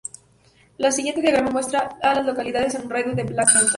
El siguiente diagrama muestra a las localidades en un radio de de Black Mountain.